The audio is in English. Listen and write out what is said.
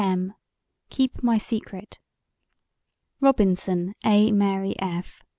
M.: Keep My Secret ROBINSON, A. MARY F.